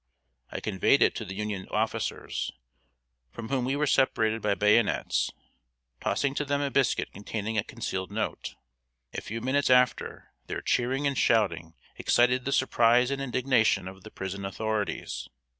I conveyed it to the Union officers, from whom we were separated by bayonets tossing to them a biscuit containing a concealed note. A few minutes after, their cheering and shouting excited the surprise and indignation of the prison authorities.